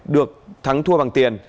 được thắng thua bằng tiền